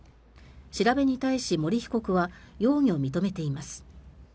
調べに対し森被告は容疑を認めています。